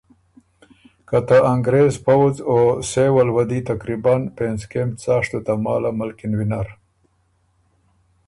که ته انګرېز پؤځ او سېول وه دی تقریباً پېنځ کېم څاشتو تماله ملکِن وینر،